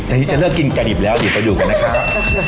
แต่ที่จะเลิกกินไก่หดอีกแล้วเดี๋ยวไปดูกันนะครับ